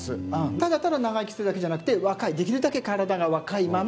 ただただ長生きするだけじゃなくてできるだけ体が若いまま。